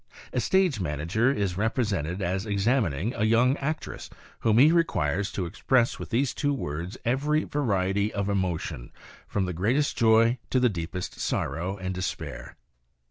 1 A stage manager is represented as examining a young actress whom he requires to express with these two words every variety of emotion, from the greatest joy to the deepest sorrow and de spair.